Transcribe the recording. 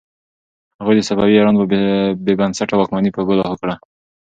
هغوی د صفوي ایران بې بنسټه واکمني په اوبو لاهو کړه.